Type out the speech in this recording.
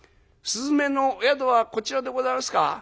雀の宿はこちらでございますか？」。